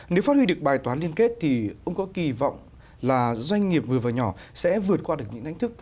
nếu phát huy được bài toán liên kết thì ông có kỳ vọng là doanh nghiệp vừa và nhỏ sẽ vượt qua được những thách thức